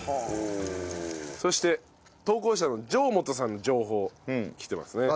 そして投稿者の上本さんの情報きてますね。